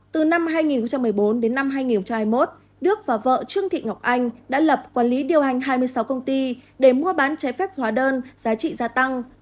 từ năm hai nghìn một mươi bốn đến năm hai nghìn hai mươi một đức và vợ trương thị ngọc anh đã lập quản lý điều hành hai mươi sáu công ty để mua bán trái phép hóa đơn giá trị gia tăng